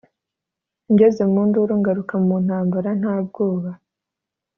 ngeze mu nduru ngaruka mu ntambara nta bwoba